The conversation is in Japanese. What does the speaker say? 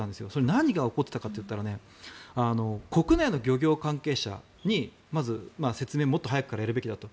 何が怒っていたかというと国内の漁業関係者にまず説明をもっと早くからやるべきだと。